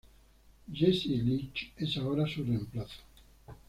Jesse Leach es ahora su reemplazo.